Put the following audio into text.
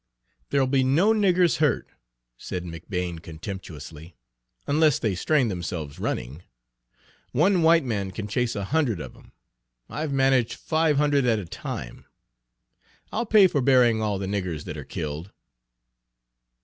"There'll be no niggers hurt," said McBane contemptuously, "unless they strain themselves running. One white man can chase a hundred of 'em. I've managed five hundred at a time. I'll pay for burying all the niggers that are killed."